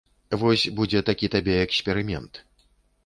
Вось будзе такі табе эксперымент.